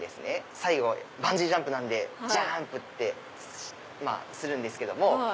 最後バンジージャンプなんでジャンプ！ってするんですけど。